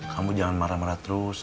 kamu jangan marah marah terus